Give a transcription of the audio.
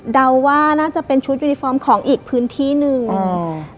เดาว่าน่าจะเป็นชุดยูนิฟอร์มของอีกพื้นที่หนึ่งอืม